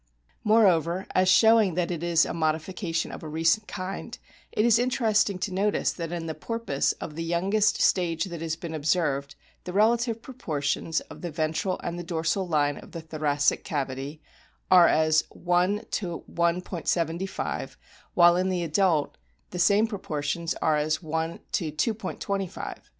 Moreover, as showing that it is a modification of a recent kind, it is interesting to notice that in the porpoise of the youngest stage that has been observed the relative proportions of the ventral and the dorsal line of the thoracic cavity are as i : 175 ; while in the adult the same proportions are as i : 2*25.